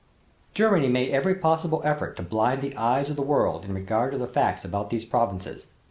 Germany made every possible effort to blind the eyes of the world in regard to the facts about these provinces.